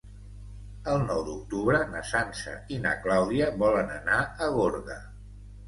El nou d'octubre na Sança i na Clàudia volen anar a Gorga.